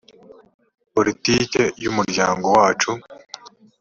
politike y umuryango wacu